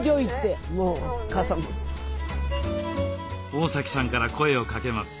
大崎さんから声をかけます。